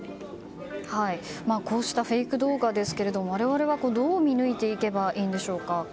こうしたフェイク動画ですが我々はどう見抜いていけばいいんでしょうか？